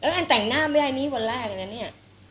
แล้วอันแต่งหน้าไม่ได้นี้วันแรกอันนี้